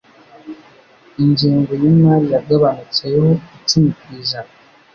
ingengo yimari yagabanutseho icumi kwijana